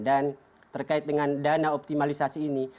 dan terkait dengan dana optimalisasi ini